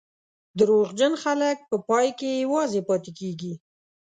دروغجن خلک په پای کې یوازې پاتې کېږي.